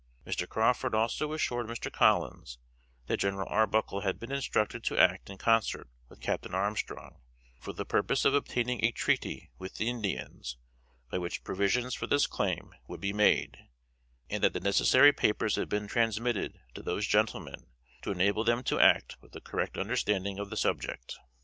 Mr. Crawford also assured Mr. Collins that General Arbuckle had been instructed to act in concert with Captain Armstrong for the purpose of obtaining a treaty with the Indians by which provisions for this claim would be made; and that the necessary papers had been transmitted to those gentlemen to enable them to act with a correct understanding of the subject.